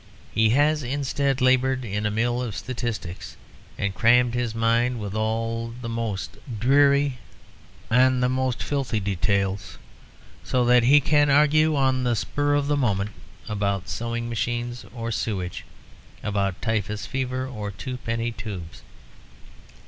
He has instead laboured in a mill of statistics and crammed his mind with all the most dreary and the most filthy details, so that he can argue on the spur of the moment about sewing machines or sewage, about typhus fever or twopenny tubes.